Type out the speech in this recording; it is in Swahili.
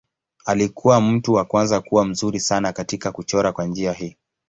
Alikuwa mtu wa kwanza kuwa mzuri sana katika kuchora kwa njia hii.